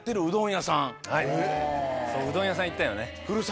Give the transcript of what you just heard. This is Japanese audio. うどん屋さん行ったよね。